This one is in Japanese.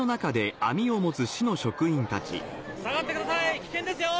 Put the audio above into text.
下がってください危険ですよ！